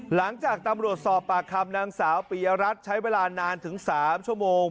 หลังจากตำรวจสอบปากคำนางสาวปียรัฐใช้เวลานานถึง๓ชั่วโมง